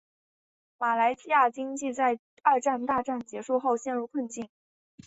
马来亚经济在二次大战结束后陷于困境。